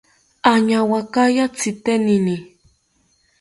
Añawakaya tzitenini